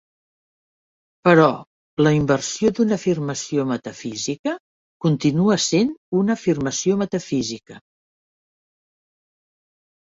Però la inversió d'una afirmació metafísica continua sent una afirmació metafísica.